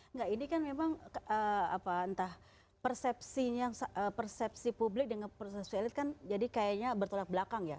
enggak ini kan memang entah persepsi publik dengan persepsi elit kan jadi kayaknya bertolak belakang ya